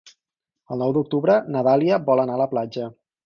El nou d'octubre na Dàlia vol anar a la platja.